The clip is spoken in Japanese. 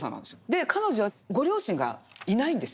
で彼女はご両親がいないんですよ。